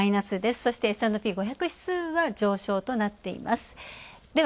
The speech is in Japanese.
そしてＳ＆Ｐ５００は上昇となっています。